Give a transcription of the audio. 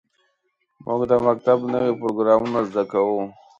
موږ د مکتب نوې پروګرامونه زده کوو.